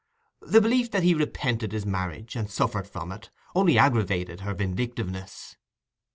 The belief that he repented his marriage, and suffered from it, only aggravated her vindictiveness.